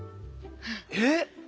えっ？